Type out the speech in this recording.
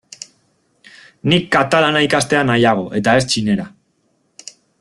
Nik katalana ikastea nahiago eta ez txinera.